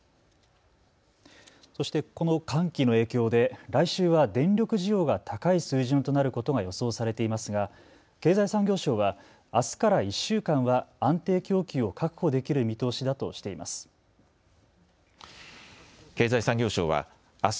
そして、この寒気の影響で来週は電力需要が高い水準となることが予想されていますが経済産業省はあすから１週間は安定供給を確保できる見通しだとしています。